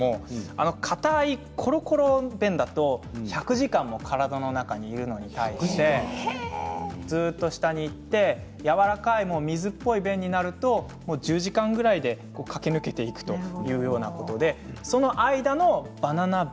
硬いコロコロ便だと１００時間も体の中にいるのに対してずっと下にいって軟らかい水っぽい便になると１０時間ぐらいで駆け抜けていくというようなことでその間のバナナ便